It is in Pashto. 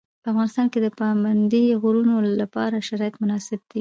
په افغانستان کې د پابندي غرونو لپاره شرایط مناسب دي.